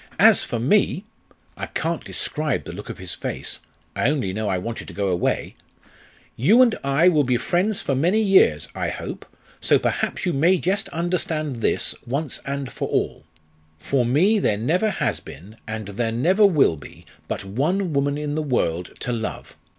As for me' I can't describe the look of his face; I only know I wanted to go away 'you and I will be friends for many years, I hope, so perhaps you may just understand this, once for all. For me there never has been, and there never will be, but one woman in the world to love.